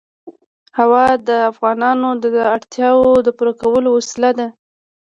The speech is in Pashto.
هوا د افغانانو د اړتیاوو د پوره کولو وسیله ده.